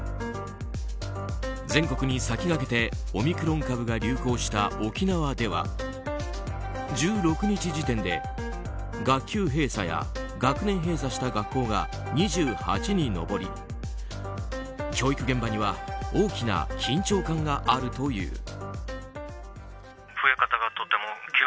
全国に先駆けてオミクロン株が流行した沖縄では１６日時点で学級閉鎖や学年閉鎖した学校が２８に上り、教育現場には大きな緊張感があるという。